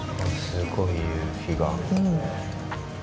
すごい夕日が。